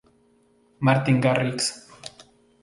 Martin Garrix.